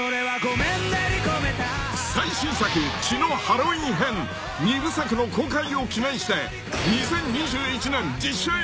［最新作血のハロウィン編２部作の公開を記念して］